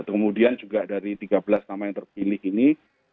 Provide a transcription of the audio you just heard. kemudian juga dari tiga belas nama yang terpilih ini